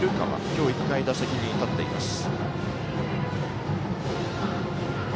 今日１回打席に立っています。